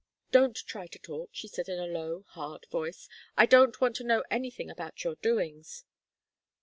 "Don't try to talk," she said in a low, hard voice. "I don't want to know anything about your doings."